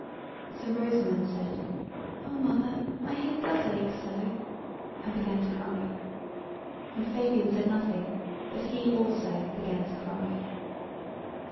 So Rosamund said, "Oh, Mother, my head does ache so," and began to cry. And Fabian said nothing, but he, also, began to cry.